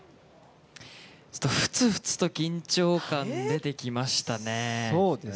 沸々と緊張感、出てきましたね。